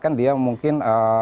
kan dia mungkin